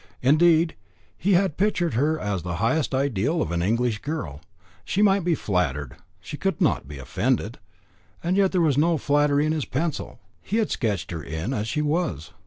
Indeed, he had pictured her as the highest ideal of an English girl. She might be flattered, she could not be offended. And yet there was no flattery in his pencil he had sketched her in as she was.